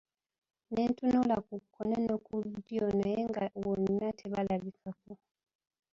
Ne tunula ku kkono ne ku ddyo naye nga wonna tebalabikako.